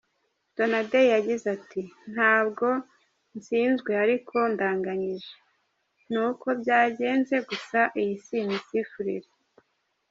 Donadei yagize ati “Ntabwo ntsinzwe ariko ndanganyije, ni uko byagenze, gusa iyi si imisifurire.